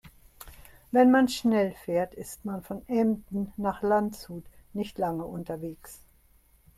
Wenn man schnell fährt, ist man von Emden nach Landshut nicht lange unterwegs